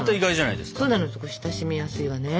親しみやすいわね。